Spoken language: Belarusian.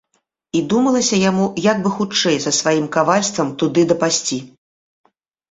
І думалася яму, як бы хутчэй са сваім кавальствам туды дапасці.